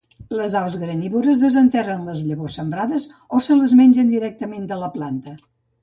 Les aus granívores desenterren les llavors sembrades o se les mengen directament de la planta.